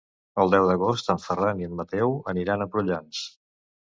El deu d'agost en Ferran i en Mateu aniran a Prullans.